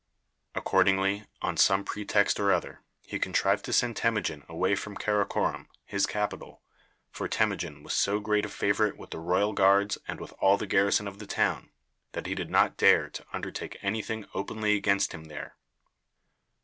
Accordingly, on some pretext or other, he contrived to send Temujin away from Karakorom, his capital, for Temujin was so great a favorite with the royal guards and with all the garrison of the town, that he did not dare to undertake any thing openly against him there.